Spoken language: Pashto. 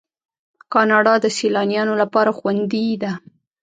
کاناډا د سیلانیانو لپاره خوندي ده.